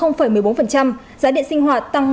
giá điện sinh hoạt tăng một một mươi sáu